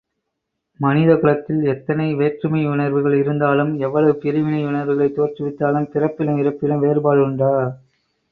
மனித குலத்தில் எத்துணை வேற்றுமையுணர்வுகள் இருந்தாலும், எவ்வளவு பிரிவினை யுணர்வுகளைத் தோற்றுவித்தாலும் பிறப்பிலும் இறப்பிலும் வேறுபாடுண்டா?